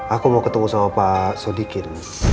aku mau ketemu sama pak sodikin